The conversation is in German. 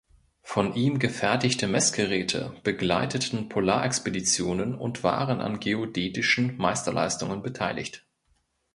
Von ihm gefertigte Messgeräte begleiteten Polarexpeditionen und waren an geodätischen Meisterleistungen beteiligt.